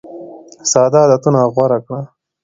ساده عادتونه غوره کړه.